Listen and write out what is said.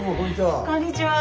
こんにちは。